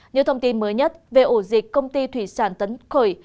những thông tin mới nhất về ổ dịch công ty thủy sản tấn khởi